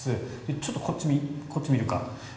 ちょっとこっち見るか。